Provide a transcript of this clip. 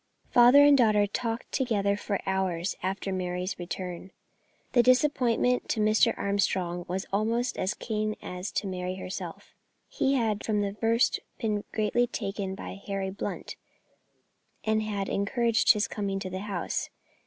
Father and daughter talked together for hours after Mary's return. The disappointment to Mr. Armstrong was almost as keen as to Mary herself. He had from the first been greatly taken by Harry Blunt, and had encouraged his coming to the house.